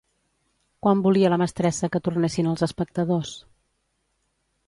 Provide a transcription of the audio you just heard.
Quan volia la mestressa que tornessin els espectadors?